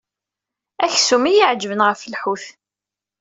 Aksum i y-iɛeǧben ɣef lḥut.